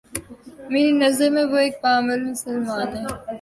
میری نظر میں وہ ایک با عمل مسلمان ہے